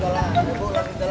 bu mau lagi jalan bu